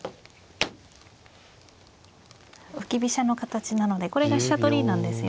浮き飛車の形なのでこれが飛車取りなんですよね。